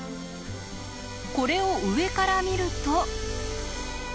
これを上から見ると。